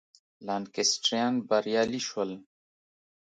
لانکسټریان بریالي شول.